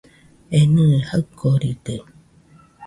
Enɨe jaɨkoride